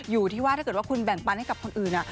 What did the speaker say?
อยู่ที่ว่าถ้าเกิดว่าคุณแบ่งปันให้กับคนอื่น